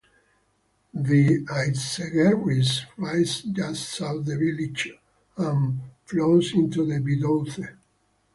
The "Aitzeguerris" rises just south of the village and flows into the Bidouze.